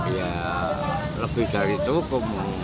ya lebih dari cukup